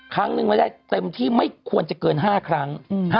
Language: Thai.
ครั้งนึงไม่ได้เต็มที่ไม่ควรจะเกิน๕ครั้ง